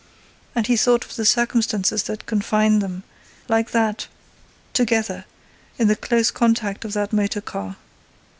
And he thought of the circumstances that confined them, like that, together, in the close contact of that motor car.